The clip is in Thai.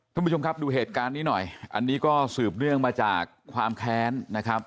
ท่านผู้ชมครับดูเหตุการณ์นี้หน่อยอันนี้ก็สืบเนื่องมาจากความแค้นนะครับ